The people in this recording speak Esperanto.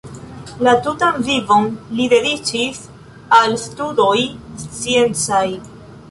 La tutan vivon li dediĉis al studoj sciencaj.